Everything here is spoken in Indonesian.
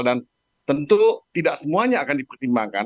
dan tentu tidak semuanya akan dipertimbangkan